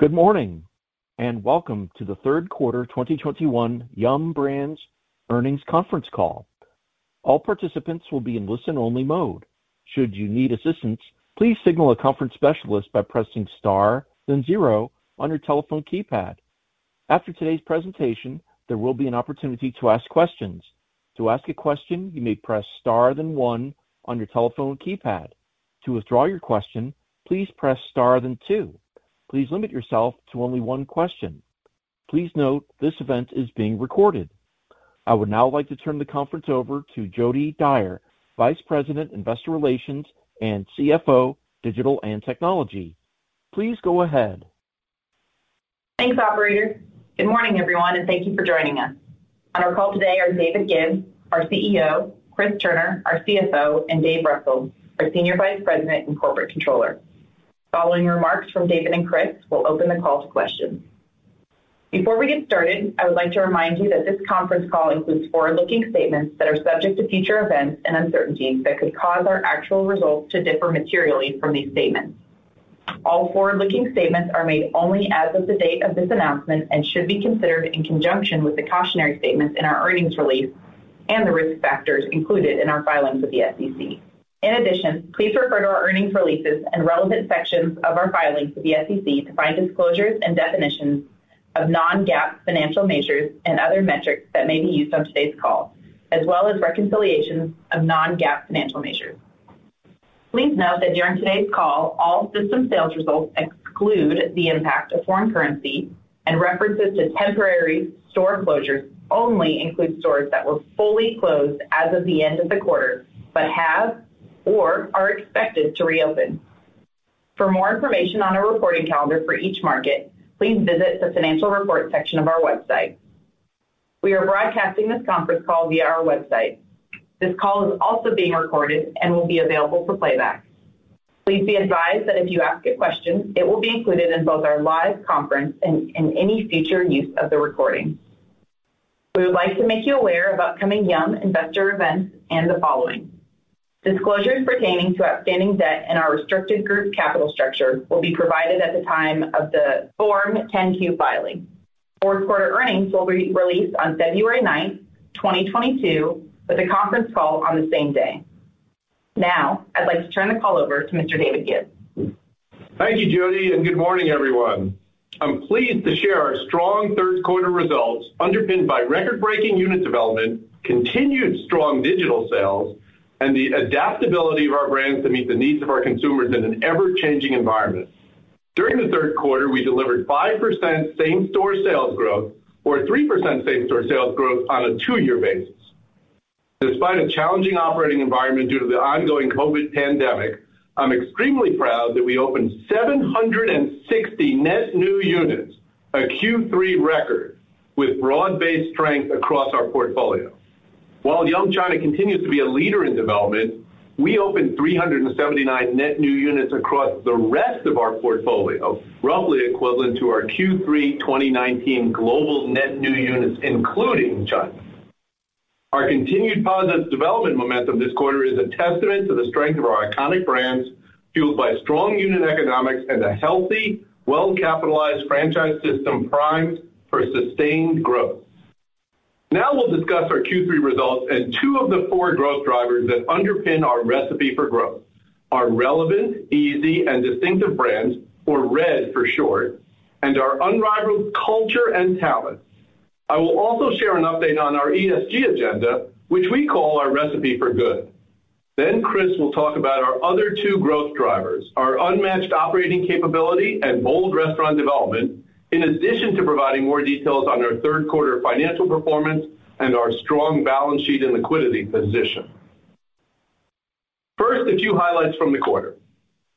Good morning, and welcome to the Q3 2021 Yum! Brands earnings conference call. All participants will be in listen-only mode. Should you need assistance, please signal a conference specialist by pressing star, then zero on your telephone keypad. After today's presentation, there will be an opportunity to ask questions. To ask a question, you may press star then one on your telephone keypad. To withdraw your question, please press star then two. Please limit yourself to only one question. Please note this event is being recorded. I would now like to turn the conference over to Jodi Dyer, Vice President, Investor Relations and CFO, Digital and Technology. Please go ahead. Thanks, operator. Good morning, everyone, and thank you for joining us. On our call today are David Gibbs, our CEO, Chris Turner, our CFO, and Dave Russell, our Senior Vice President and Corporate Controller. Following remarks from David and Chris, we'll open the call to questions. Before we get started, I would like to remind you that this conference call includes forward-looking statements that are subject to future events and uncertainties that could cause our actual results to differ materially from these statements. All forward-looking statements are made only as of the date of this announcement and should be considered in conjunction with the cautionary statements in our earnings release and the risk factors included in our filings with the SEC. In addition, please refer to our earnings releases and relevant sections of our filings with the SEC to find disclosures and definitions of non-GAAP financial measures and other metrics that may be used on today's call, as well as reconciliations of non-GAAP financial measures. Please note that during today's call, all system sales results exclude the impact of foreign currency and references to temporary store closures only include stores that were fully closed as of the end of the quarter, but have or are expected to reopen. For more information on our reporting calendar for each market, please visit the financial report section of our website. We are broadcasting this conference call via our website. This call is also being recorded and will be available for playback. Please be advised that if you ask a question, it will be included in both our live conference and any future use of the recording. We would like to make you aware of upcoming Yum investor events and the following. Disclosures pertaining to outstanding debt and our restricted group capital structure will be provided at the time of the Form 10-Q filing. Fourth quarter earnings will be released on February 9, 2022, with a conference call on the same day. Now, I'd like to turn the call over to Mr. David Gibbs. Thank you, Jody, and good morning, everyone. I'm pleased to share our strong Q3 results underpinned by record-breaking unit development, continued strong digital sales, and the adaptability of our brands to meet the needs of our consumers in an ever-changing environment. During the Q3, we delivered 5% same-store sales growth or 3% same-store sales growth on a two-year basis. Despite a challenging operating environment due to the ongoing COVID pandemic, I'm extremely proud that we opened 760 net new units, a Q3 record, with broad-based strength across our portfolio. While Yum China continues to be a leader in development, we opened 379 net new units across the rest of our portfolio, roughly equivalent to our Q3 2019 global net new units, including China. Our continued positive development momentum this quarter is a testament to the strength of our iconic brands, fueled by strong unit economics and a healthy, well-capitalized franchise system primed for sustained growth. Now we'll discuss our Q3 results and two of the four growth drivers that underpin our recipe for growth, our relevant, easy and distinctive brands, or RED for short, and our unrivaled culture and talents. I will also share an update on our ESG agenda, which we call our Recipe for Good. Chris will talk about our other two growth drivers, our unmatched operating capability and bold restaurant development, in addition to providing more details on our third quarter financial performance and our strong balance sheet and liquidity position. First, a few highlights from the quarter.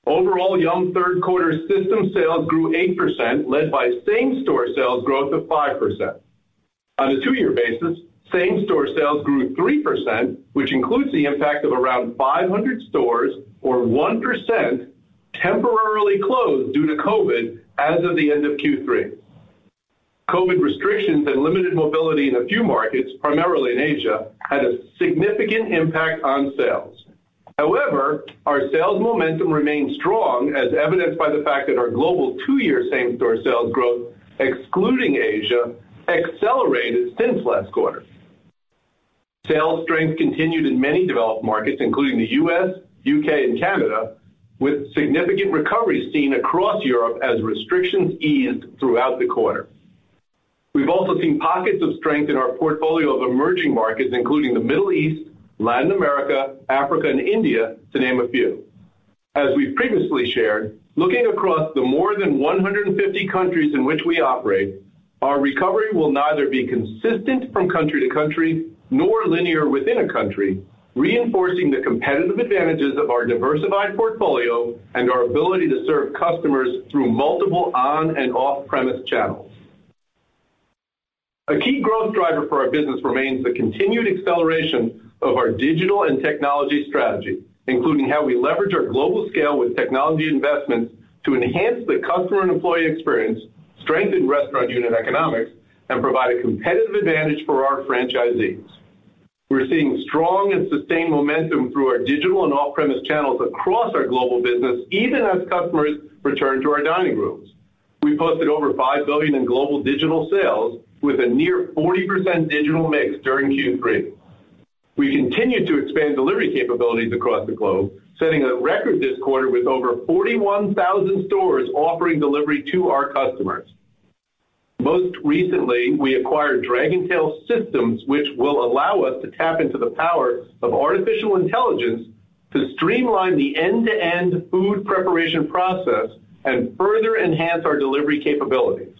Overall, Yum Q3 system sales grew 8%, led by same-store sales growth of 5%. On a two-year basis, same-store sales grew 3%, which includes the impact of around 500 stores or 1% temporarily closed due to COVID as of the end of Q3. COVID restrictions and limited mobility in a few markets, primarily in Asia, had a significant impact on sales. However, our sales momentum remains strong, as evidenced by the fact that our global two-year same-store sales growth, excluding Asia, accelerated since last quarter. Sales strength continued in many developed markets, including the U.S., U.K., and Canada, with significant recovery seen across Europe as restrictions eased throughout the quarter. We've also seen pockets of strength in our portfolio of emerging markets, including the Middle East, Latin America, Africa, and India, to name a few. As we've previously shared, looking across the more than 150 countries in which we operate, our recovery will neither be consistent from country to country nor linear within a country, reinforcing the competitive advantages of our diversified portfolio and our ability to serve customers through multiple on and off-premise channels. A key growth driver for our business remains the continued acceleration of our digital and technology strategy, including how we leverage our global scale with technology investments to enhance the customer and employee experience, strengthen restaurant unit economics, and provide a competitive advantage for our franchisees. We're seeing strong and sustained momentum through our digital and off-premise channels across our global business, even as customers return to our dining rooms. We posted over $5 billion in global digital sales with a near 40% digital mix during Q3. We continued to expand delivery capabilities across the globe, setting a record this quarter with over 41,000 stores offering delivery to our customers. Most recently, we acquired Dragontail Systems, which will allow us to tap into the power of artificial intelligence to streamline the end-to-end food preparation process and further enhance our delivery capabilities.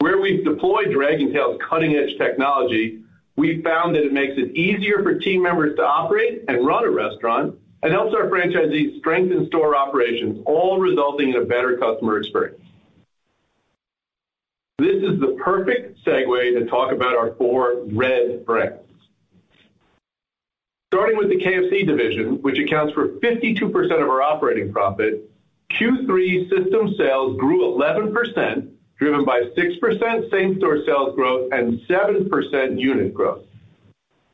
Where we've deployed Dragontail's cutting-edge technology, we found that it makes it easier for team members to operate and run a restaurant and helps our franchisees strengthen store operations, all resulting in a better customer experience. This is the perfect segue to talk about our four RED brands. Starting with the KFC division, which accounts for 52% of our operating profit, Q3 system sales grew 11%, driven by 6% same-store sales growth and 7% unit growth.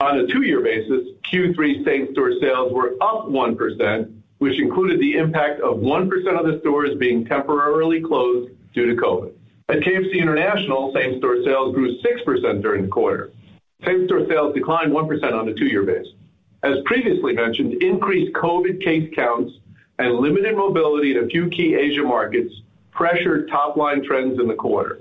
On a two-year basis, Q3 same-store sales were up 1%, which included the impact of 1% of the stores being temporarily closed due to COVID. At KFC International, same-store sales grew 6% during the quarter. Same-store sales declined 1% on a two-year basis. As previously mentioned, increased COVID case counts and limited mobility in a few key Asia markets pressured top-line trends in the quarter.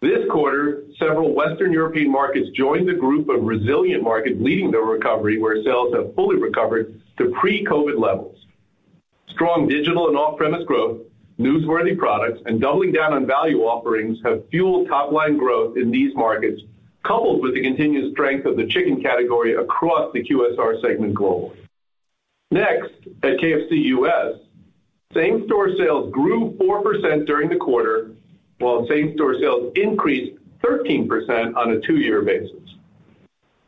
This quarter, several Western European markets joined the group of resilient markets leading the recovery, where sales have fully recovered to pre-COVID levels. Strong digital and off-premise growth, newsworthy products, and doubling down on value offerings have fueled top-line growth in these markets, coupled with the continued strength of the chicken category across the QSR segment globally. Next, at KFC U.S., same-store sales grew 4% during the quarter, while same-store sales increased 13% on a two-year basis.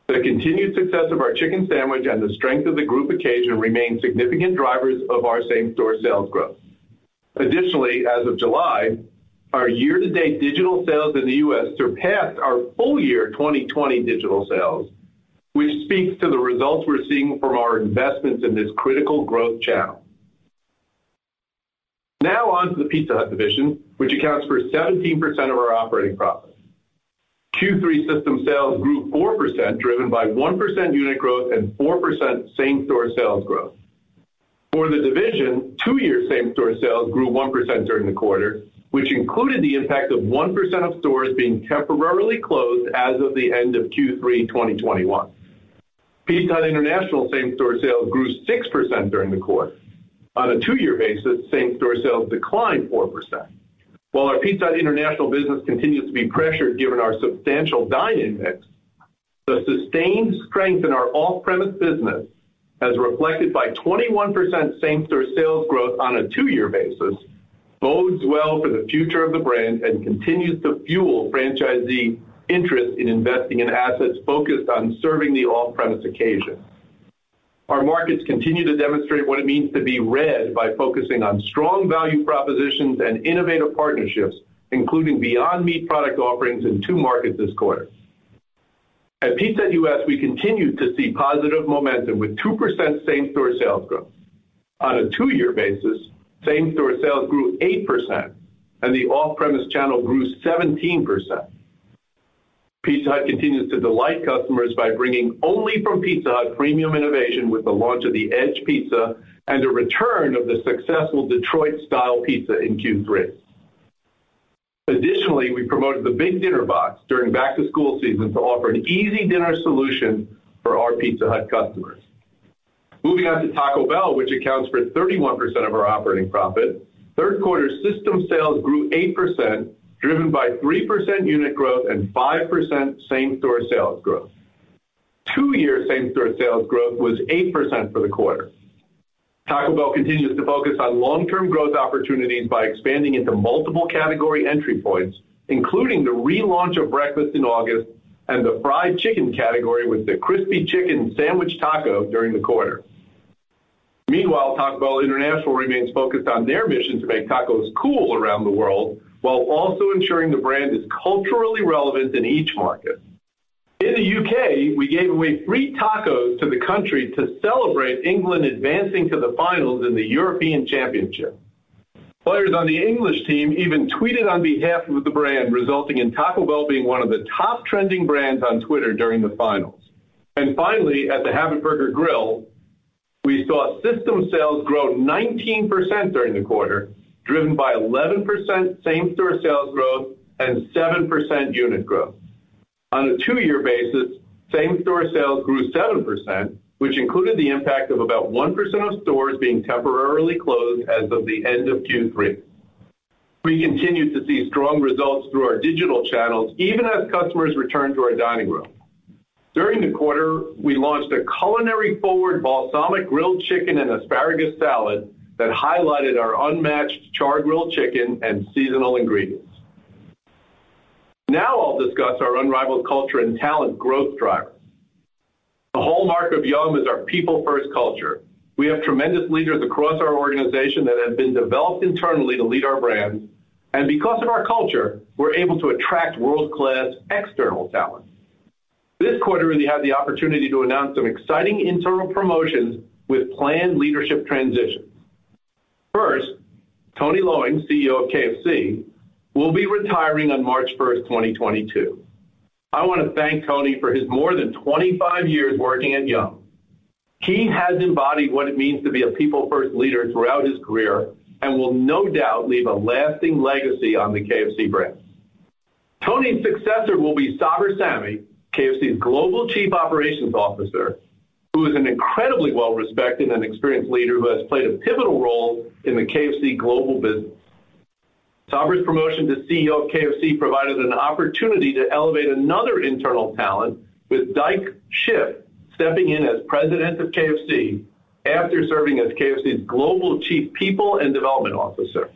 The continued success of our chicken sandwich and the strength of the group occasion remain significant drivers of our same-store sales growth. Additionally, as of July, our year-to-date digital sales in the U.S. surpassed our full-year 2020 digital sales, which speaks to the results we're seeing from our investments in this critical growth channel. Now on to the Pizza Hut division, which accounts for 17% of our operating profit. Q3 system sales grew 4%, driven by 1% unit growth and 4% same-store sales growth. For the division, two-year same-store sales grew 1% during the quarter, which included the impact of 1% of stores being temporarily closed as of the end of Q3 2021. Pizza Hut International same-store sales grew 6% during the quarter. On a two-year basis, same-store sales declined 4%. While our Pizza Hut International business continues to be pressured given our substantial dine-in mix, the sustained strength in our off-premise business, as reflected by 21% same-store sales growth on a two-year basis, bodes well for the future of the brand and continues to fuel franchisee interest in investing in assets focused on serving the off-premise occasion. Our markets continue to demonstrate what it means to be RED by focusing on strong value propositions and innovative partnerships, including Beyond Meat product offerings in two markets this quarter. At Pizza Hut U.S., we continued to see positive momentum with 2% same-store sales growth. On a two-year basis, same-store sales grew 8% and the off-premise channel grew 17%. Pizza Hut continues to delight customers by bringing home the Pizza Hut premium innovation with the launch of The Edge pizza and the return of the successful Detroit-Style Pizza in Q3. Additionally, we promoted the Big Dinner Box during back-to-school season to offer an easy dinner solution for our Pizza Hut customers. Moving on to Taco Bell, which accounts for 31% of our operating profit, third quarter system sales grew 8%, driven by 3% unit growth and 5% same-store sales growth. Two-year same-store sales growth was 8% for the quarter. Taco Bell continues to focus on long-term growth opportunities by expanding into multiple category entry points, including the relaunch of breakfast in August and the fried chicken category with the Crispy Chicken Sandwich Taco during the quarter. Meanwhile, Taco Bell International remains focused on their mission to make tacos cool around the world while also ensuring the brand is culturally relevant in each market. In the U.K., we gave away free tacos to the country to celebrate England advancing to the finals in the European Championship. Players on the English team even tweeted on behalf of the brand, resulting in Taco Bell being one of the top trending brands on Twitter during the finals. Finally, at The Habit Burger Grill, we saw system sales grow 19% during the quarter, driven by 11% same-store sales growth and 7% unit growth. On a two-year basis, same-store sales grew 7%, which included the impact of about 1% of stores being temporarily closed as of the end of Q3. We continued to see strong results through our digital channels, even as customers returned to our dining room. During the quarter, we launched a culinary-forward balsamic grilled chicken and asparagus salad that highlighted our unmatched char-grilled chicken and seasonal ingredients. Now I'll discuss our unrivaled culture and talent growth drivers. The hallmark of Yum is our people first culture. We have tremendous leaders across our organization that have been developed internally to lead our brands. Because of our culture, we're able to attract world-class external talent. This quarter, we had the opportunity to announce some exciting internal promotions with planned leadership transitions. First, Tony Lowings, CEO of KFC, will be retiring on March first, 2022. I wanna thank Tony for his more than 25 years working at Yum. He has embodied what it means to be a people first leader throughout his career and will no doubt leave a lasting legacy on the KFC brand. Tony's successor will be Sabir Sami, KFC's Global Chief Operating Officer, who is an incredibly well-respected and experienced leader who has played a pivotal role in the KFC global business. Sabir's promotion to CEO of KFC provided an opportunity to elevate another internal talent, with Dyke Shipp stepping in as President of KFC after serving as KFC's Global Chief People and Development Officer.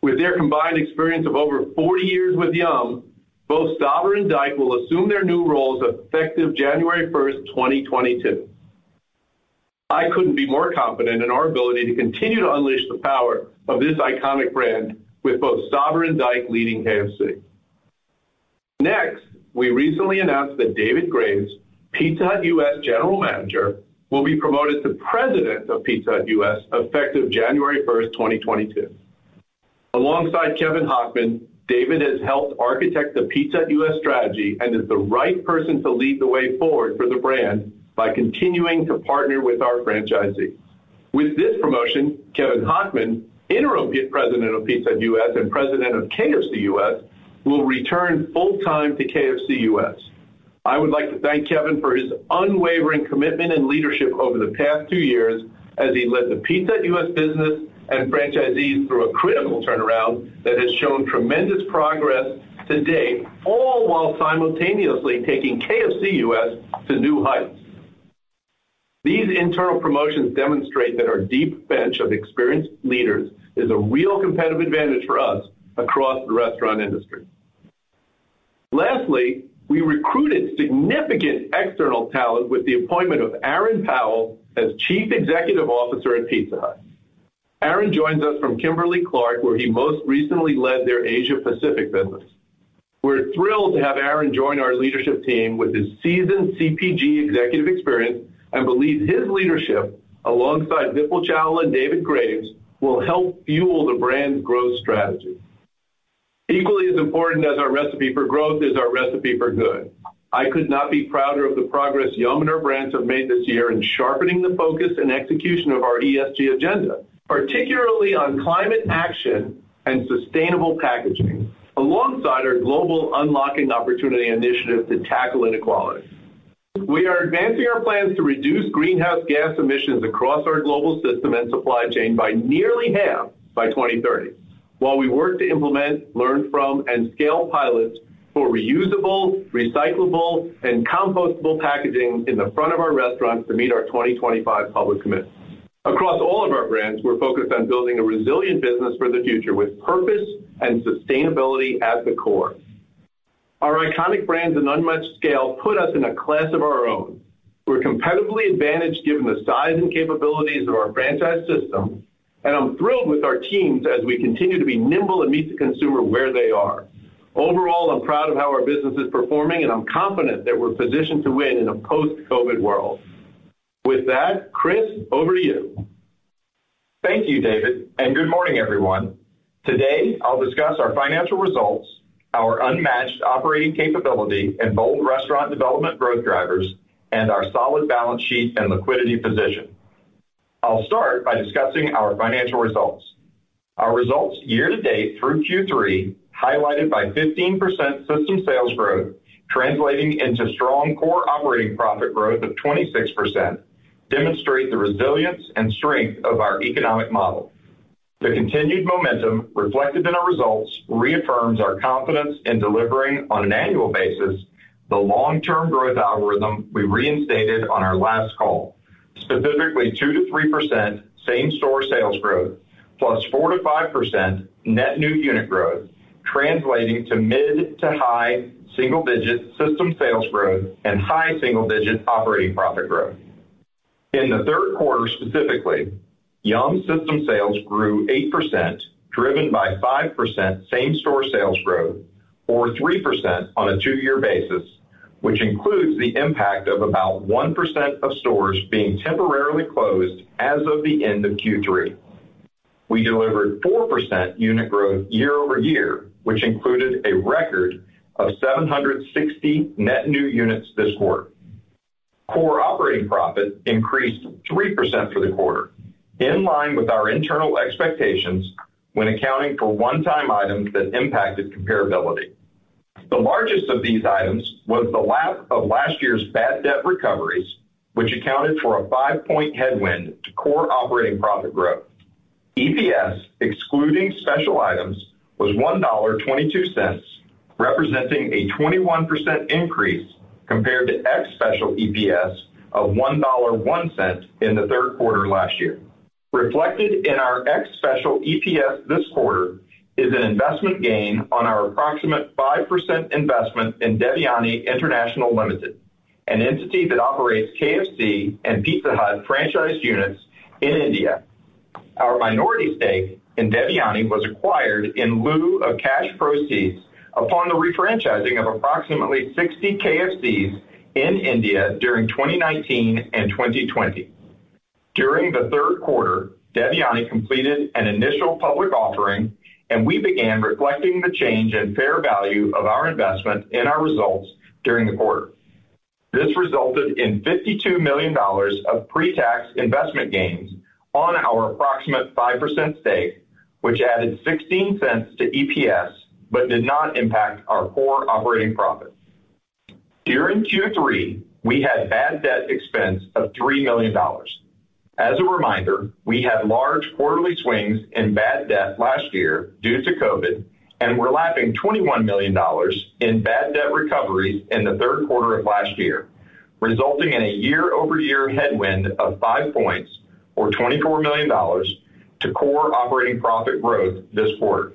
With their combined experience of over 40 years with Yum, both Sabir and Dyke will assume their new roles effective January 1, 2022. I couldn't be more confident in our ability to continue to unleash the power of this iconic brand with both Sabir and Dyke leading KFC. Next, we recently announced that David Graves, Pizza Hut U.S. General Manager, will be promoted to President of Pizza Hut U.S. effective January 1, 2022. Alongside Kevin Hochman, David has helped architect the Pizza Hut U.S. strategy and is the right person to lead the way forward for the brand by continuing to partner with our franchisees. With this promotion, Kevin Hochman, Interim President of Pizza Hut U.S. and President of KFC U.S., will return full-time to KFC U.S. I would like to thank Kevin for his unwavering commitment and leadership over the past two years as he led the Pizza Hut U.S. business and franchisees through a critical turnaround that has shown tremendous progress to date, all while simultaneously taking KFC U.S. to new heights. These internal promotions demonstrate that our deep bench of experienced leaders is a real competitive advantage for us across the restaurant industry. Lastly, we recruited significant external talent with the appointment of Aaron Powell as Chief Executive Officer at Pizza Hut. Aaron joins us from Kimberly-Clark, where he most recently led their Asia Pacific business. We're thrilled to have Aaron join our leadership team with his seasoned CPG executive experience and believe his leadership, alongside Vipul Chawla and David Graves, will help fuel the brand's growth strategy. Equally as important as our recipe for growth is our Recipe for Good. I could not be prouder of the progress Yum! Brands have made this year in sharpening the focus and execution of our ESG agenda, particularly on climate action and sustainable packaging, alongside our global unlocking opportunity initiative to tackle inequality. We are advancing our plans to reduce greenhouse gas emissions across our global system and supply chain by nearly half by 2030, while we work to implement, learn from, and scale pilots for reusable, recyclable, and compostable packaging in the front of our restaurants to meet our 2025 public commitments. Across all of our brands, we're focused on building a resilient business for the future with purpose and sustainability at the core. Our iconic brands and unmatched scale put us in a class of our own. We're competitively advantaged given the size and capabilities of our franchise system, and I'm thrilled with our teams as we continue to be nimble and meet the consumer where they are. Overall, I'm proud of how our business is performing, and I'm confident that we're positioned to win in a post-COVID world. With that, Chris, over to you. Thank you, David, and good morning, everyone. Today, I'll discuss our financial results, our unmatched operating capability, and bold restaurant development growth drivers, and our solid balance sheet and liquidity position. I'll start by discussing our financial results. Our results year to date through Q3, highlighted by 15% system sales growth, translating into strong core operating profit growth of 26%, demonstrate the resilience and strength of our economic model. The continued momentum reflected in our results reaffirms our confidence in delivering on an annual basis the long-term growth algorithm we reinstated on our last call. Specifically 2%-3% same-store sales growth plus 4%-5% net new unit growth, translating to mid to high single-digit system sales growth and high single-digit operating profit growth. In the third quarter specifically, Yum system sales grew 8%, driven by 5% same-store sales growth or 3% on a two-year basis, which includes the impact of about 1% of stores being temporarily closed as of the end of Q3. We delivered 4% unit growth year-over-year, which included a record of 760 net new units this quarter. Core operating profit increased 3% for the quarter, in line with our internal expectations when accounting for one-time items that impacted comparability. The largest of these items was the lack of last year's bad debt recoveries, which accounted for a five-point headwind to core operating profit growth. EPS, excluding special items, was $1.22, representing a 21% increase compared to ex-special EPS of $1.01 in the third quarter last year. Reflected in our ex-special EPS this quarter is an investment gain on our approximate 5% investment in Devyani International Limited, an entity that operates KFC and Pizza Hut franchise units in India. Our minority stake in Devyani was acquired in lieu of cash proceeds upon the refranchising of approximately 60 KFCs in India during 2019 and 2020. During the Q3, Devyani completed an initial public offering, and we began reflecting the change in fair value of our investment in our results during the quarter. This resulted in $52 million of pre-tax investment gains on our approximate 5% stake, which added $0.16 to EPS, but did not impact our core operating profit. During Q3, we had bad debt expense of $3 million. As a reminder, we had large quarterly swings in bad debt last year due to COVID, and we're lapping $21 million in bad debt recovery in the Q3 of last year, resulting in a year-over-year headwind of 5 points or $24 million to core operating profit growth this quarter.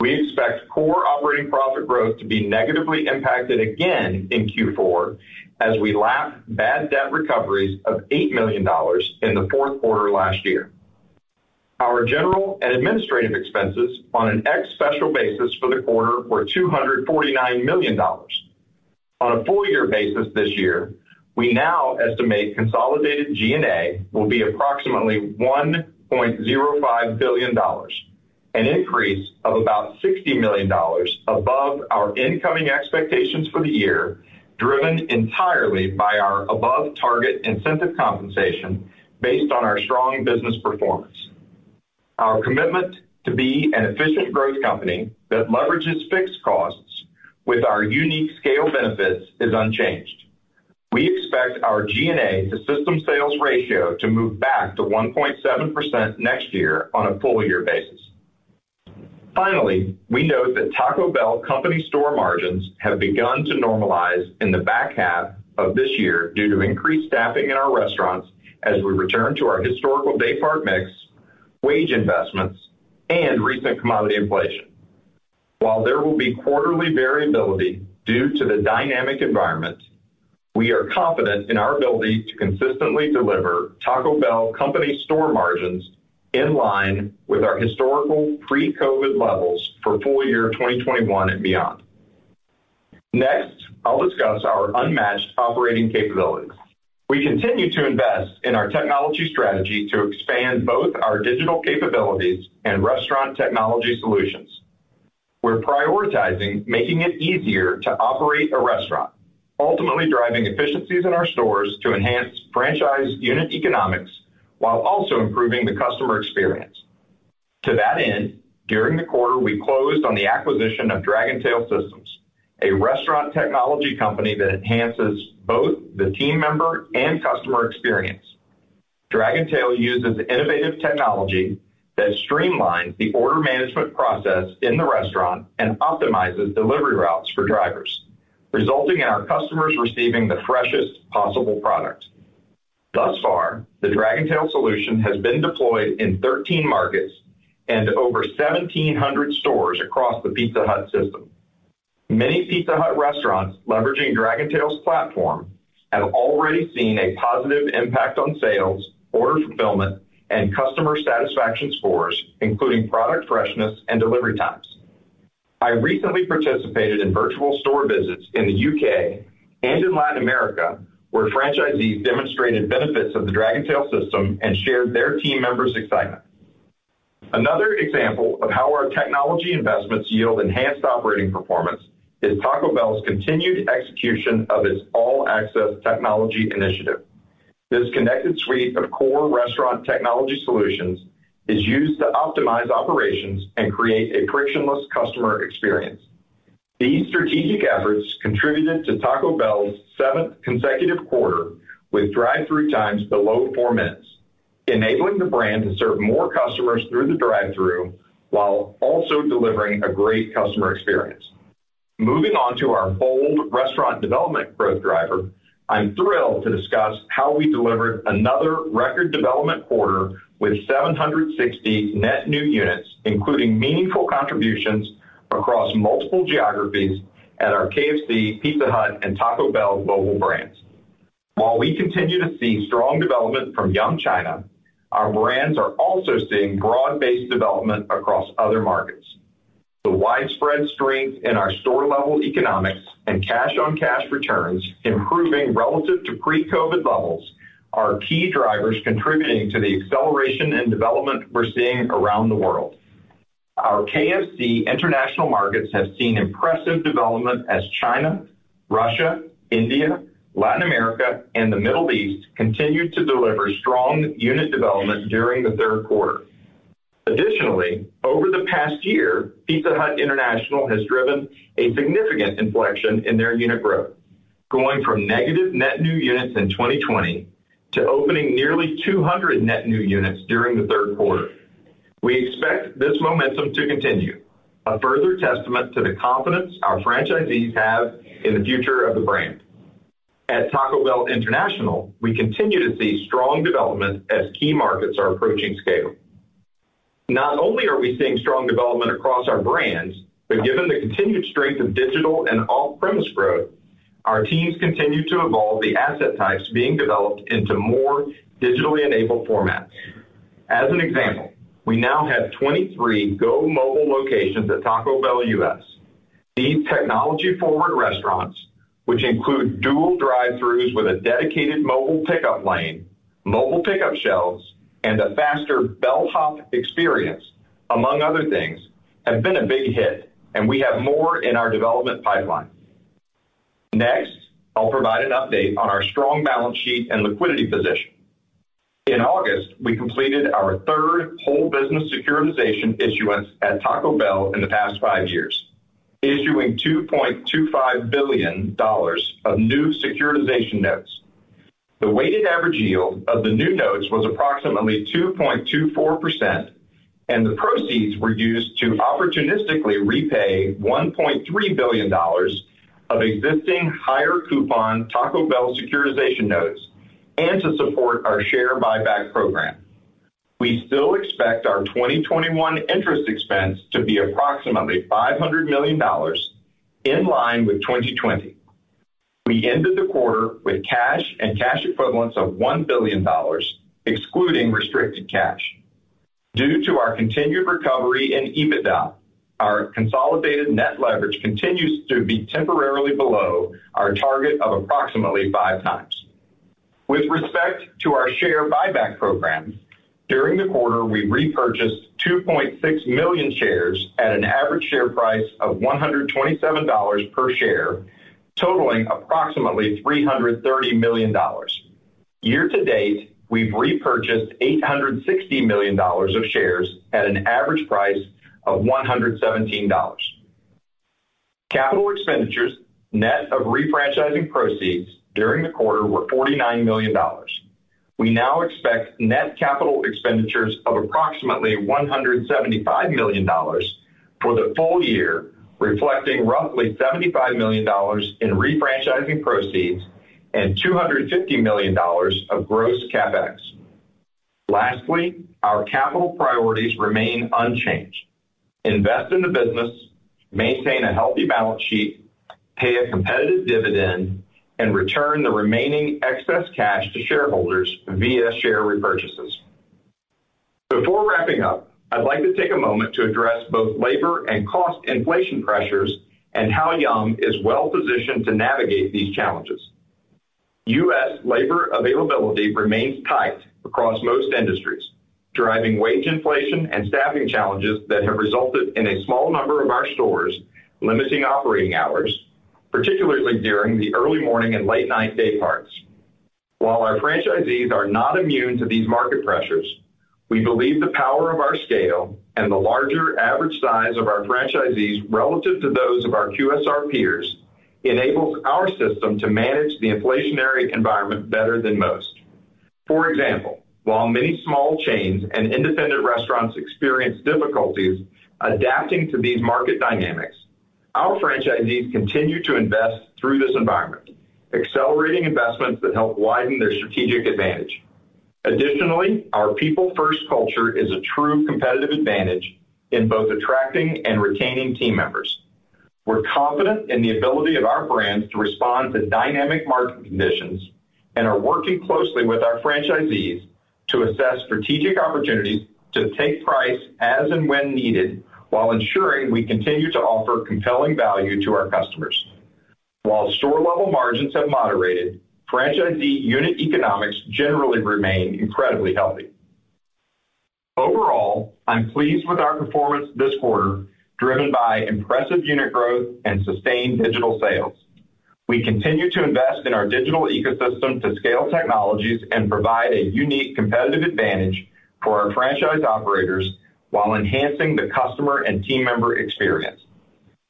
We expect core operating profit growth to be negatively impacted again in Q4 as we lap bad debt recoveries of $8 million in the fourth quarter last year. Our general and administrative expenses on an ex special basis for the quarter were $249 million. On a full year basis this year, we now estimate consolidated G&A will be approximately $1.05 billion, an increase of about $60 million above our incoming expectations for the year, driven entirely by our above target incentive compensation based on our strong business performance. Our commitment to be an efficient growth company that leverages fixed costs with our unique scale benefits is unchanged. We expect our G&A to system sales ratio to move back to 1.7% next year on a full year basis. Finally, we note that Taco Bell company store margins have begun to normalize in the back half of this year due to increased staffing in our restaurants as we return to our historical daypart mix, wage investments, and recent commodity inflation. While there will be quarterly variability due to the dynamic environment, we are confident in our ability to consistently deliver Taco Bell company store margins in line with our historical pre-COVID levels for full year 2021 and beyond. Next, I'll discuss our unmatched operating capabilities. We continue to invest in our technology strategy to expand both our digital capabilities and restaurant technology solutions. We're prioritizing making it easier to operate a restaurant, ultimately driving efficiencies in our stores to enhance franchise unit economics while also improving the customer experience. To that end, during the quarter, we closed on the acquisition of Dragontail Systems, a restaurant technology company that enhances both the team member and customer experience. Dragontail uses innovative technology that streamlines the order management process in the restaurant and optimizes delivery routes for drivers, resulting in our customers receiving the freshest possible product. Thus far, the Dragontail solution has been deployed in 13 markets and over 1,700 stores across the Pizza Hut system. Many Pizza Hut restaurants leveraging Dragontail's platform have already seen a positive impact on sales, order fulfillment, and customer satisfaction scores, including product freshness and delivery times. I recently participated in virtual store visits in the U.K. and in Latin America, where franchisees demonstrated benefits of the Dragontail system and shared their team members' excitement. Another example of how our technology investments yield enhanced operating performance is Taco Bell's continued execution of its All Access technology initiative. This connected suite of core restaurant technology solutions is used to optimize operations and create a frictionless customer experience. These strategic efforts contributed to Taco Bell's seventh consecutive quarter with drive-through times below 4 minutes, enabling the brand to serve more customers through the drive-through while also delivering a great customer experience. Moving on to our bold restaurant development growth driver, I'm thrilled to discuss how we delivered another record development quarter with 760 net new units, including meaningful contributions across multiple geographies at our KFC, Pizza Hut, and Taco Bell global brands. While we continue to see strong development from Yum China, our brands are also seeing broad-based development across other markets. The widespread strength in our store level economics and cash-on-cash returns improving relative to pre-COVID levels are key drivers contributing to the acceleration in development we're seeing around the world. Our KFC international markets have seen impressive development as China, Russia, India, Latin America, and the Middle East continued to deliver strong unit development during the third quarter. Additionally, over the past year, Pizza Hut International has driven a significant inflection in their unit growth, going from negative net new units in 2020 to opening nearly 200 net new units during the Q3. We expect this momentum to continue, a further testament to the confidence our franchisees have in the future of the brand. At Taco Bell International, we continue to see strong development as key markets are approaching scale. Not only are we seeing strong development across our brands, but given the continued strength of digital and off-premise growth, our teams continue to evolve the asset types being developed into more digitally enabled formats. As an example, we now have 23 Go Mobile locations at Taco Bell U.S. These technology forward restaurants, which include dual drive-throughs with a dedicated mobile pickup lane, mobile pickup shelves, and a faster bellhop experience, among other things, have been a big hit, and we have more in our development pipeline. Next, I'll provide an update on our strong balance sheet and liquidity position. In August, we completed our third whole business securitization issuance at Taco Bell in the past five years, issuing $2.25 billion of new securitization notes. The weighted average yield of the new notes was approximately 2.24%, and the proceeds were used to opportunistically repay $1.3 billion of existing higher coupon Taco Bell securitization notes and to support our share buyback program. We still expect our 2021 interest expense to be approximately $500 million, in line with 2020. We ended the quarter with cash and cash equivalents of $1 billion, excluding restricted cash. Due to our continued recovery in EBITDA, our consolidated net leverage continues to be temporarily below our target of approximately five times. With respect to our share buyback program, during the quarter, we repurchased 2.6 million shares at an average share price of $127 per share, totaling approximately $330 million. Year to date, we've repurchased $860 million of shares at an average price of $117. Capital expenditures, net of refranchising proceeds during the quarter were $49 million. We now expect net capital expenditures of approximately $175 million for the full year, reflecting roughly $75 million in refranchising proceeds and $250 million of gross CapEx. Lastly, our capital priorities remain unchanged. Invest in the business, maintain a healthy balance sheet, pay a competitive dividend, and return the remaining excess cash to shareholders via share repurchases. Before wrapping up, I'd like to take a moment to address both labor and cost inflation pressures and how Yum! is well-positioned to navigate these challenges. U.S. labor availability remains tight across most industries, driving wage inflation and staffing challenges that have resulted in a small number of our stores limiting operating hours, particularly during the early morning and late night day parts. While our franchisees are not immune to these market pressures, we believe the power of our scale and the larger average size of our franchisees relative to those of our QSR peers enables our system to manage the inflationary environment better than most. For example, while many small chains and independent restaurants experience difficulties adapting to these market dynamics, our franchisees continue to invest through this environment, accelerating investments that help widen their strategic advantage. Additionally, our people first culture is a true competitive advantage in both attracting and retaining team members. We're confident in the ability of our brands to respond to dynamic market conditions and are working closely with our franchisees to assess strategic opportunities to take price as and when needed, while ensuring we continue to offer compelling value to our customers. While store level margins have moderated, franchisee unit economics generally remain incredibly healthy. Overall, I'm pleased with our performance this quarter, driven by impressive unit growth and sustained digital sales. We continue to invest in our digital ecosystem to scale technologies and provide a unique competitive advantage for our franchise operators while enhancing the customer and team member experience.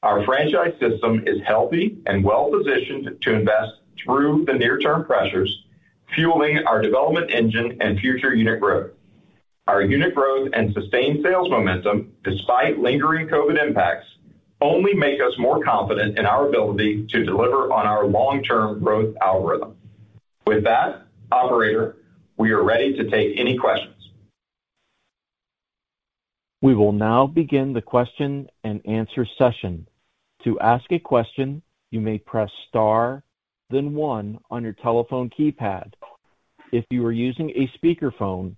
Our franchise system is healthy and well-positioned to invest through the near-term pressures, fueling our development engine and future unit growth. Our unit growth and sustained sales momentum, despite lingering COVID impacts, only make us more confident in our ability to deliver on our long-term growth algorithm. With that, operator, we are ready to take any questions. We will now begin the question-and-answer session. To ask a question, you may press star then one on your telephone keypad. If you are using a speakerphone,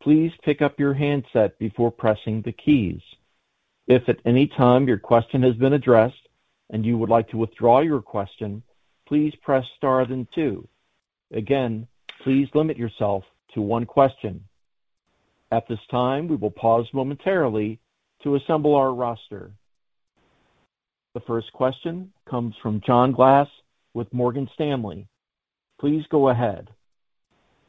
please pick up your handset before pressing the keys. If at any time your question has been addressed and you would like to withdraw your question, please press star then two. Again, please limit yourself to one question. At this time, we will pause momentarily to assemble our roster. The first question comes from John Glass with Morgan Stanley. Please go ahead.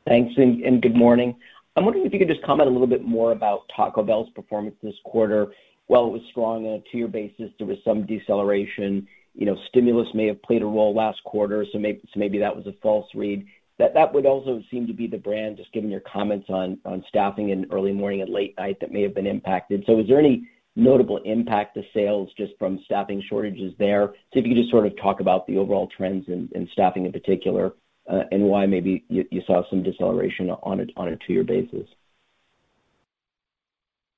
Thanks and good morning. I'm wondering if you could just comment a little bit more about Taco Bell's performance this quarter. While it was strong on a two-year basis, there was some deceleration. You know, stimulus may have played a role last quarter, so maybe that was a false read. That would also seem to be the brand, just given your comments on staffing in early morning and late night that may have been impacted. Is there any notable impact to sales just from staffing shortages there? So if you could just sort of talk about the overall trends in staffing in particular, and why maybe you saw some deceleration on a two-year basis.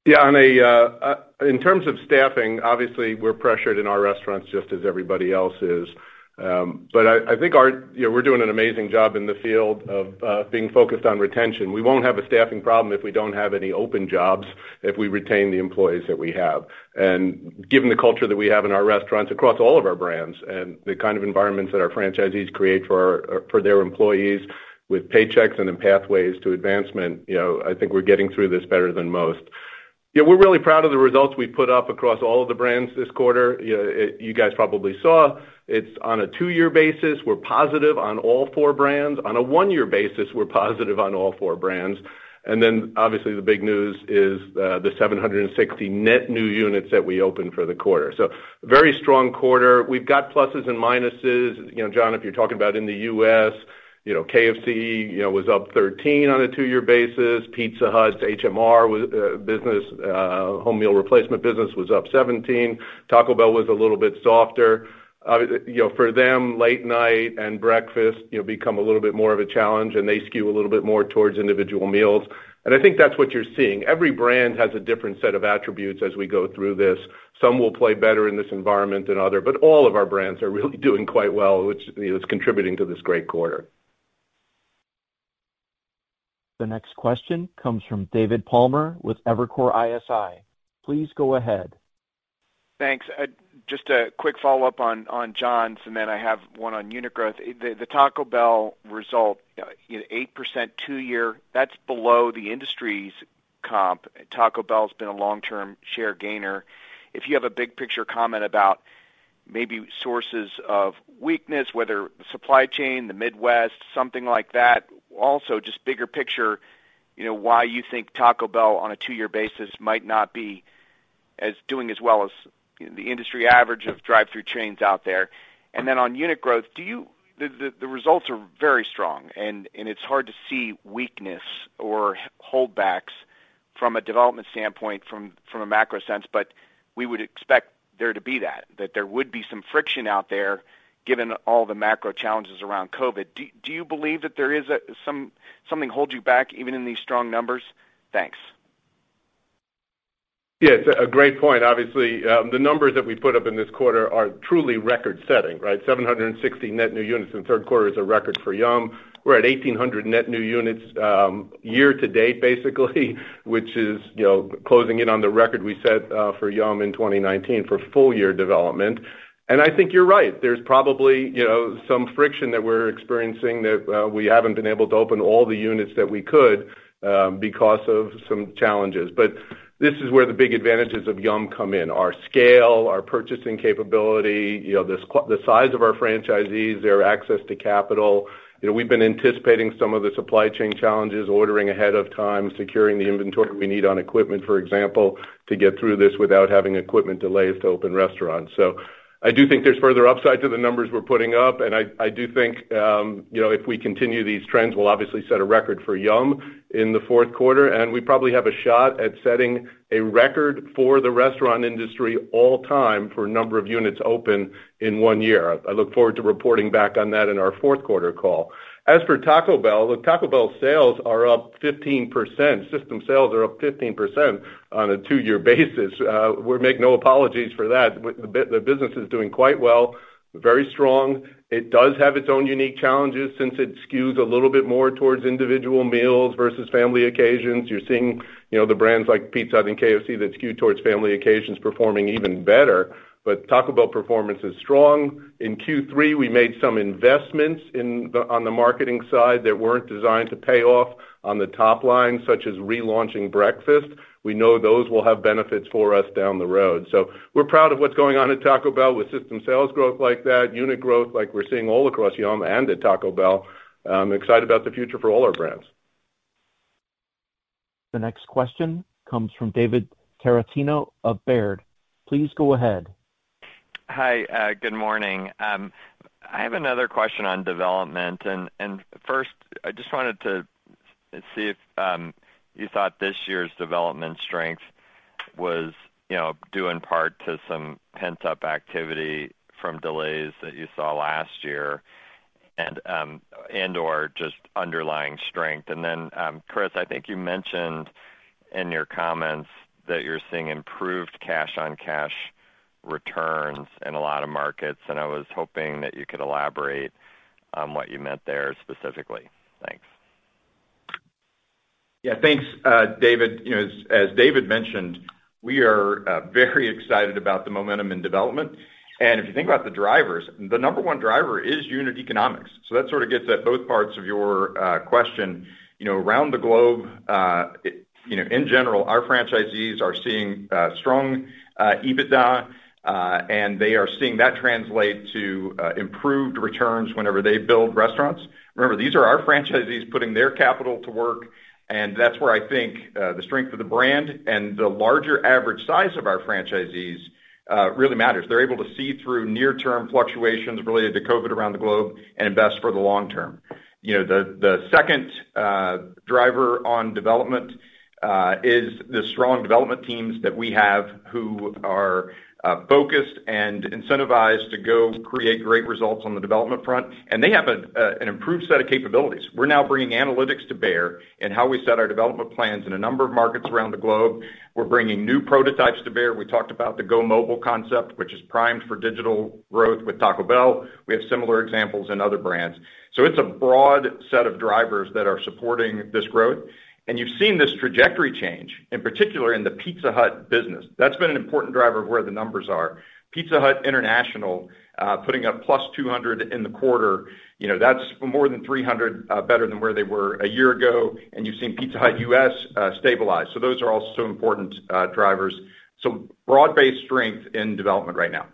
Yeah, in terms of staffing, obviously, we're pressured in our restaurants just as everybody else is. I think you know, we're doing an amazing job in the field of being focused on retention. We won't have a staffing problem if we don't have any open jobs, if we retain the employees that we have. Given the culture that we have in our restaurants across all of our brands and the kind of environments that our franchisees create for their employees with paychecks and then pathways to advancement, you know, I think we're getting through this better than most. Yeah, we're really proud of the results we put up across all of the brands this quarter. You guys probably saw it's on a two-year basis, we're positive on all four brands. On a one-year basis, we're positive on all four brands. Then, obviously, the big news is the 760 net new units that we opened for the quarter. Very strong quarter. We've got pluses and minuses. You know, John, if you're talking about in the U.S., you know, KFC, you know, was up 13% on a two-year basis. Pizza Hut's HMR business, home meal replacement business was up 17%. Taco Bell was a little bit softer. You know, for them, late-night and breakfast, you know, become a little bit more of a challenge, and they skew a little bit more towards individual meals. I think that's what you're seeing. Every brand has a different set of attributes as we go through this. Some will play better in this environment than others, but all of our brands are really doing quite well, which, you know, is contributing to this great quarter. The next question comes from David Palmer with Evercore ISI. Please go ahead. Thanks. Just a quick follow-up on John's, and then I have one on unit growth. The Taco Bell result, you know, 8% two-year, that's below the industry's comp. Taco Bell's been a long-term share gainer. If you have a big picture comment about maybe sources of weakness, whether the supply chain, the Midwest, something like that. Also, just bigger picture, you know, why you think Taco Bell on a two-year basis might not be doing as well as the industry average of drive-thru chains out there. Then on unit growth, the results are very strong, and it's hard to see weakness or holdbacks from a development standpoint from a macro sense, but we would expect there to be some friction out there given all the macro challenges around COVID. Do you believe that there is something holding you back even in these strong numbers? Thanks. Yeah, it's a great point. Obviously, the numbers that we put up in this quarter are truly record-setting, right? 760 net new units in the third quarter is a record for Yum! We're at 1,800 net new units, year to date, basically, which is, you know, closing in on the record we set for Yum! in 2019 for full year development. I think you're right. There's probably, you know, some friction that we're experiencing that we haven't been able to open all the units that we could because of some challenges. This is where the big advantages of Yum! come in, our scale, our purchasing capability, you know, the size of our franchisees, their access to capital. You know, we've been anticipating some of the supply chain challenges, ordering ahead of time, securing the inventory we need on equipment, for example, to get through this without having equipment delays to open restaurants. I do think there's further upside to the numbers we're putting up. I do think, you know, if we continue these trends, we'll obviously set a record for Yum! in the fourth quarter, and we probably have a shot at setting a record for the restaurant industry all time for number of units open in one year. I look forward to reporting back on that in our fourth quarter call. As for Taco Bell, look, Taco Bell sales are up 15%. System sales are up 15% on a two-year basis. We make no apologies for that. The business is doing quite well, very strong. It does have its own unique challenges since it skews a little bit more towards individual meals versus family occasions. You're seeing, you know, the brands like Pizza Hut and KFC that skew towards family occasions performing even better. But Taco Bell performance is strong. In Q3, we made some investments on the marketing side that weren't designed to pay off on the top line, such as relaunching breakfast. We know those will have benefits for us down the road. We're proud of what's going on at Taco Bell with system sales growth like that, unit growth like we're seeing all across Yum! and at Taco Bell. I'm excited about the future for all our brands. The next question comes from David Tarantino of Baird. Please go ahead. Hi. Good morning. I have another question on development, and first, I just wanted to see if you thought this year's development strength was, you know, due in part to some pent-up activity from delays that you saw last year and/or just underlying strength. Chris, I think you mentioned in your comments that you're seeing improved cash-on-cash returns in a lot of markets, and I was hoping that you could elaborate on what you meant there specifically. Thanks. Yeah. Thanks, David. You know, as David mentioned, we are very excited about the momentum in development. If you think about the drivers, the number one driver is unit economics. That sort of gets at both parts of your question. You know, around the globe, you know, in general, our franchisees are seeing strong EBITDA and they are seeing that translate to improved returns whenever they build restaurants. Remember, these are our franchisees putting their capital to work, and that's where I think the strength of the brand and the larger average size of our franchisees really matters. They're able to see through near-term fluctuations related to COVID around the globe and invest for the long term. You know, the second driver on development is the strong development teams that we have who are focused and incentivized to go create great results on the development front. They have an improved set of capabilities. We're now bringing analytics to bear in how we set our development plans in a number of markets around the globe. We're bringing new prototypes to bear. We talked about the Go Mobile concept, which is primed for digital growth with Taco Bell. We have similar examples in other brands. It's a broad set of drivers that are supporting this growth. You've seen this trajectory change, in particular in the Pizza Hut business. That's been an important driver of where the numbers are. Pizza Hut International putting up +200 in the quarter, you know, that's more than 300 better than where they were a year ago, and you've seen Pizza Hut U.S. stabilize. So those are also important drivers. Broad-based strength in development right now.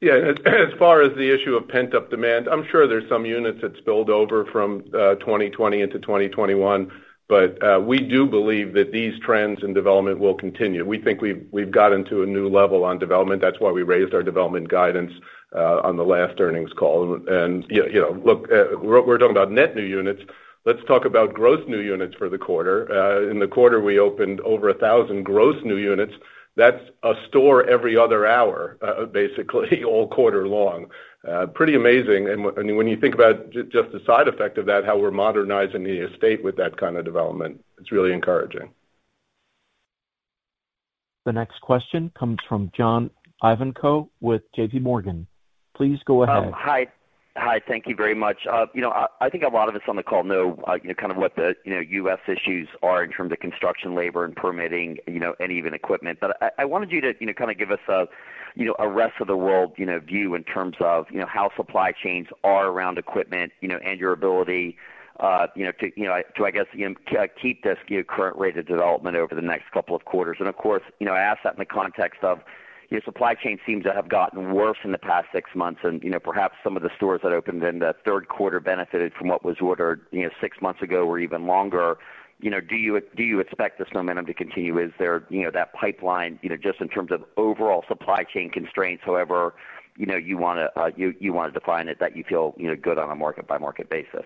Yeah. As far as the issue of pent-up demand, I'm sure there's some units that spilled over from 2020 into 2021. We do believe that these trends in development will continue. We think we've gotten to a new level on development. That's why we raised our development guidance on the last earnings call. You know, look, we're talking about net new units. Let's talk about gross new units for the quarter. In the quarter, we opened over 1,000 gross new units. That's a store every other hour, basically all quarter long. Pretty amazing. When, I mean, when you think about just the side effect of that, how we're modernizing the estate with that kind of development, it's really encouraging. The next question comes from John Ivankoe with J.P. Morgan. Please go ahead. Oh, hi. Hi, thank you very much. You know, I think a lot of us on the call know you know kind of what the you know U.S. issues are in terms of construction labor and permitting, you know, and even equipment. But I wanted you to you know kind of give us a you know a rest of the world you know view in terms of you know how supply chains are around equipment, you know, and your ability you know to I guess you know to keep this current rate of development over the next couple of quarters. Of course, you know, I ask that in the context of your supply chain seems to have gotten worse in the past six months. You know, perhaps some of the stores that opened in the third quarter benefited from what was ordered, you know, six months ago or even longer. You know, do you expect this momentum to continue? Is there, you know, that pipeline, you know, just in terms of overall supply chain constraints, however you wanna define it, that you feel, you know, good on a market by market basis?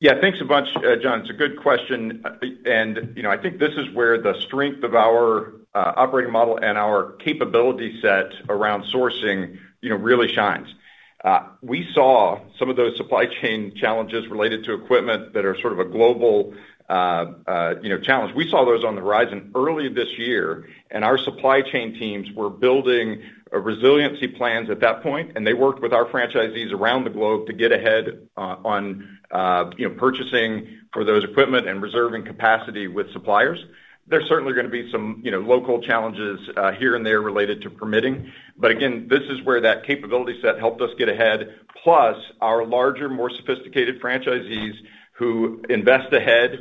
Yeah, thanks a bunch, John. It's a good question. You know, I think this is where the strength of our operating model and our capability set around sourcing you know really shines. We saw some of those supply chain challenges related to equipment that are sort of a global you know challenge. We saw those on the horizon early this year, and our supply chain teams were building a resiliency plans at that point, and they worked with our franchisees around the globe to get ahead on you know purchasing for those equipment and reserving capacity with suppliers. There's certainly gonna be some you know local challenges here and there related to permitting. Again, this is where that capability set helped us get ahead. Plus our larger, more sophisticated franchisees who invest ahead,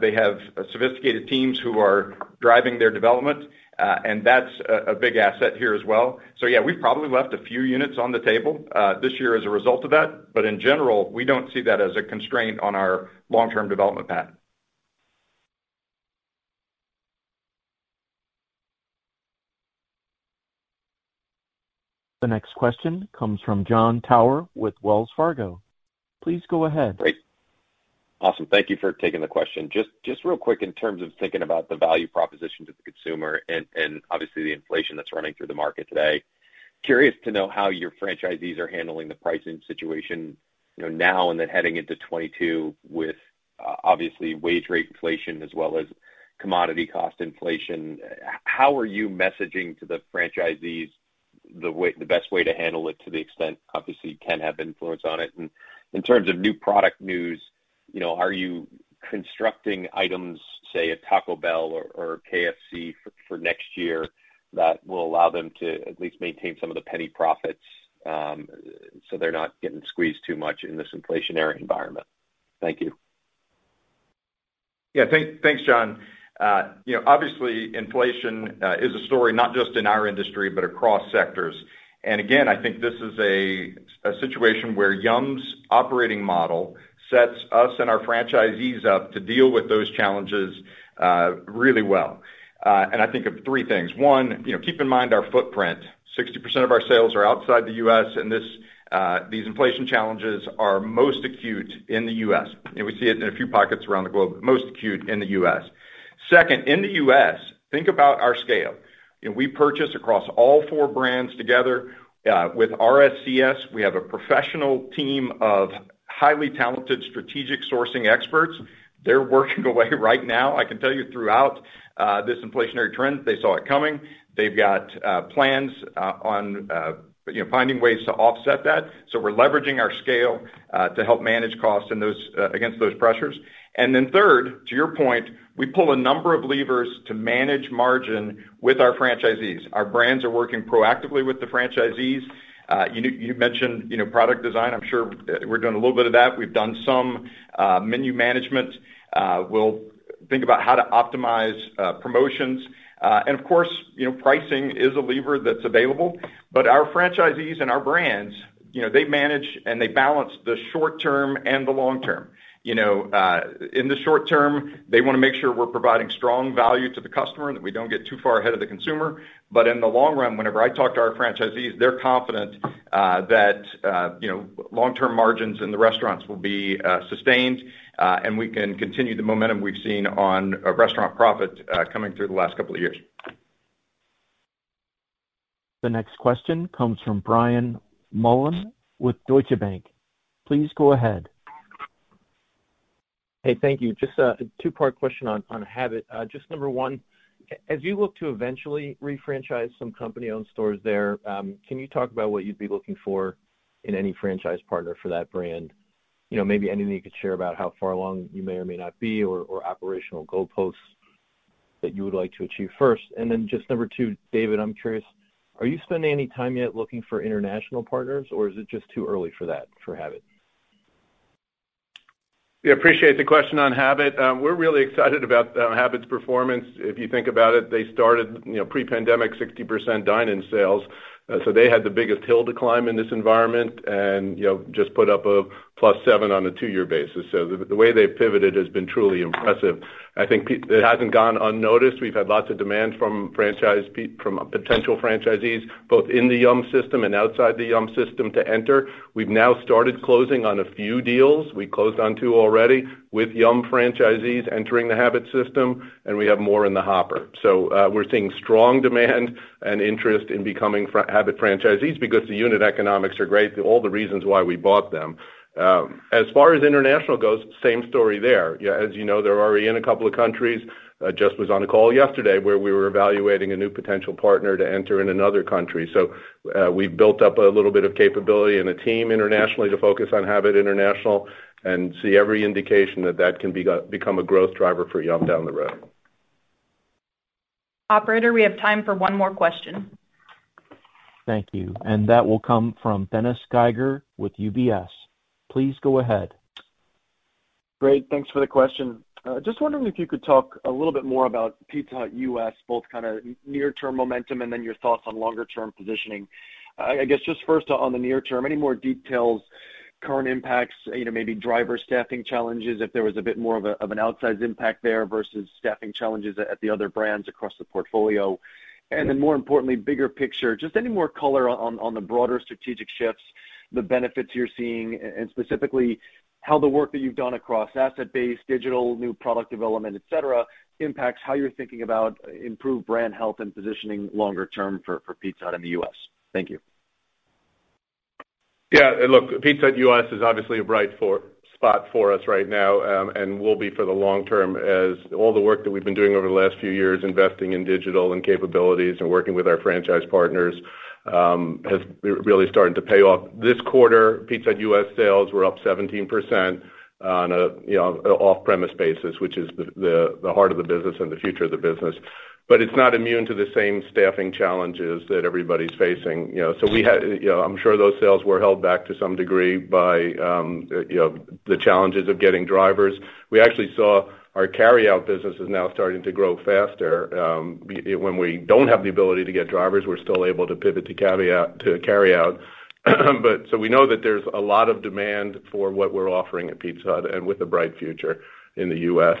they have sophisticated teams who are driving their development, and that's a big asset here as well. Yeah, we probably left a few units on the table this year as a result of that, but in general, we don't see that as a constraint on our long-term development path. The next question comes from Jon Tower with Wells Fargo. Please go ahead. Great. Awesome. Thank you for taking the question. Just real quick in terms of thinking about the value proposition to the consumer and obviously the inflation that's running through the market today. Curious to know how your franchisees are handling the pricing situation, you know, now and then heading into 2022 with obviously wage rate inflation as well as commodity cost inflation. How are you messaging to the franchisees the best way to handle it to the extent, obviously, you can have influence on it? In terms of new product news, you know, are you constructing items, say, at Taco Bell or KFC for next year that will allow them to at least maintain some of the penny profits, so they're not getting squeezed too much in this inflationary environment? Thank you. Thanks, John. You know, obviously inflation is a story not just in our industry, but across sectors. Again, I think this is a situation where Yum's operating model sets us and our franchisees up to deal with those challenges really well. I think of three things. One, you know, keep in mind our footprint. 60% of our sales are outside the U.S., and these inflation challenges are most acute in the U.S. We see it in a few pockets around the globe, but most acute in the U.S. Second, in the U.S., think about our scale. You know, we purchase across all four brands together with RSCS. We have a professional team of highly talented strategic sourcing experts. They're working away right now. I can tell you throughout this inflationary trend, they saw it coming. They've got plans on you know finding ways to offset that. We're leveraging our scale to help manage costs against those pressures. Then third, to your point, we pull a number of levers to manage margin with our franchisees. Our brands are working proactively with the franchisees. You mentioned you know product design. I'm sure we're doing a little bit of that. We've done some menu management. We'll think about how to optimize promotions. Of course you know pricing is a lever that's available. Our franchisees and our brands you know they manage and they balance the short term and the long term. You know in the short term they wanna make sure we're providing strong value to the customer, that we don't get too far ahead of the consumer. In the long run, whenever I talk to our franchisees, they're confident that you know long-term margins in the restaurants will be sustained and we can continue the momentum we've seen on restaurant profit coming through the last couple of years. The next question comes from Brian Mullan with Deutsche Bank. Please go ahead. Hey, thank you. Just a two-part question on Habit. Just number one, as you look to eventually refranchise some company-owned stores there, can you talk about what you'd be looking for in any franchise partner for that brand? You know, maybe anything you could share about how far along you may or may not be or operational goalposts that you would like to achieve first. Just number two, David, I'm curious, are you spending any time yet looking for international partners, or is it just too early for that, for Habit? Yeah, appreciate the question on Habit. We're really excited about Habit's performance. If you think about it, they started, you know, pre-pandemic, 60% dine-in sales. They had the biggest hill to climb in this environment and, you know, just put up a +7% on a two-year basis. The way they pivoted has been truly impressive. I think it hasn't gone unnoticed. We've had lots of demand from potential franchisees, both in the Yum system and outside the Yum system to enter. We've now started closing on a few deals. We closed on two already with Yum franchisees entering the Habit system, and we have more in the hopper. We're seeing strong demand and interest in becoming Habit franchisees because the unit economics are great. All the reasons why we bought them. As far as international goes, same story there. Yeah, as you know, they're already in a couple of countries. I just was on a call yesterday where we were evaluating a new potential partner to enter in another country. We've built up a little bit of capability and a team internationally to focus on Habit International and see every indication that that can become a growth driver for Yum down the road. Operator, we have time for one more question. Thank you. That will come from Dennis Geiger with UBS. Please go ahead. Great, thanks for the question. Just wondering if you could talk a little bit more about Pizza Hut U.S., both kinda near-term momentum and then your thoughts on longer-term positioning. I guess just first on the near term, any more details, current impacts, you know, maybe driver staffing challenges, if there was a bit more of an outsized impact there versus staffing challenges at the other brands across the portfolio. More importantly, bigger picture, just any more color on the broader strategic shifts, the benefits you're seeing, and specifically how the work that you've done across asset base, digital, new product development, et cetera, impacts how you're thinking about improved brand health and positioning longer term for Pizza Hut in the U.S. Thank you. Yeah, look, Pizza Hut U.S. is obviously a bright spot for us right now, and will be for the long term as all the work that we've been doing over the last few years, investing in digital and capabilities and working with our franchise partners, has really started to pay off. This quarter, Pizza Hut U.S. sales were up 17% on a off-premise basis, which is the heart of the business and the future of the business. It's not immune to the same staffing challenges that everybody's facing, you know. We had, you know, I'm sure those sales were held back to some degree by, you know, the challenges of getting drivers. We actually saw our carryout business is now starting to grow faster. When we don't have the ability to get drivers, we're still able to pivot to carryout. We know that there's a lot of demand for what we're offering at Pizza Hut and with a bright future in the U.S.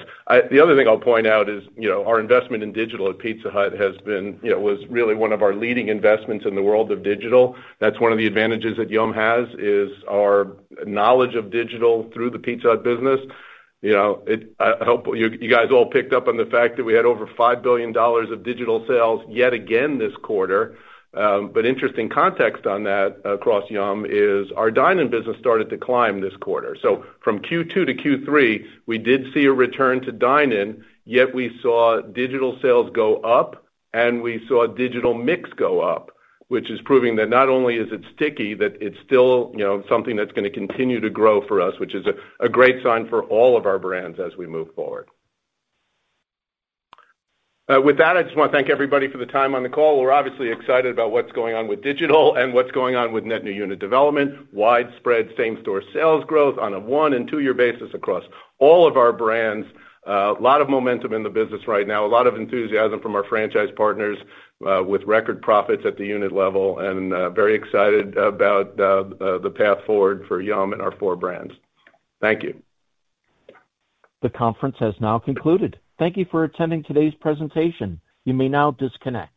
The other thing I'll point out is, you know, our investment in digital at Pizza Hut has been, you know, was really one of our leading investments in the world of digital. That's one of the advantages that Yum has, is our knowledge of digital through the Pizza Hut business. You know, I hope you guys all picked up on the fact that we had over $5 billion of digital sales yet again this quarter. Interesting context on that across Yum is our dine-in business started to climb this quarter. From Q2 to Q3, we did see a return to dine in, yet we saw digital sales go up and we saw digital mix go up, which is proving that not only is it sticky, that it's still, you know, something that's gonna continue to grow for us, which is a great sign for all of our brands as we move forward. With that, I just wanna thank everybody for the time on the call. We're obviously excited about what's going on with digital and what's going on with net new unit development, widespread same-store sales growth on a 1- and 2-year basis across all of our brands. A lot of momentum in the business right now. A lot of enthusiasm from our franchise partners, with record profits at the unit level and very excited about the path forward for Yum and our four brands. Thank you. The conference has now concluded. Thank you for attending today's presentation. You may now disconnect.